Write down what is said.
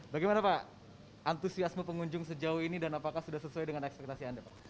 bagaimana pak antusiasme pengunjung sejauh ini dan apakah sudah sesuai dengan ekspektasi anda pak